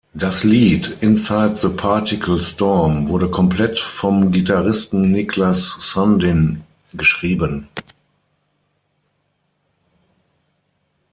Das Lied „Inside the Particle Storm“ wurde komplett vom Gitarristen Niklas Sundin geschrieben.